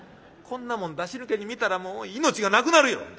こんなもん出し抜けに見たらもう命がなくなるよ